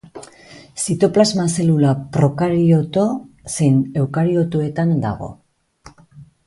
Zitoplasma zelula prokarioto zein eukariotoetan dago.